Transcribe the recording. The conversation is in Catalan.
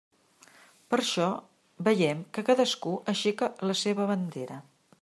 Per això veiem que cadascú aixeca la seva bandera.